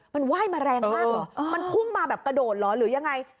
มันไหว้มาแรงมากเหรอมันพุ่งมาแบบกระโดดเหรอหรือยังไง